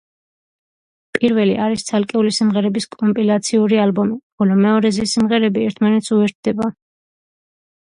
პირველი არის ცალკეული სიმღერების კომპილაციური ალბომი, ხოლო მეორეზე სიმღერები ერთმანეთს უერთდება.